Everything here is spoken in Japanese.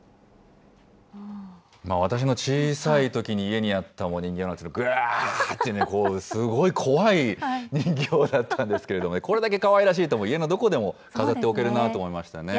私の小さいときに家にあったお人形なんですけど、ぐわーってね、すごい怖い人形だったんですけれどもね、これだけかわいらしいと、家のどこでも飾っておけるなと思いましたね。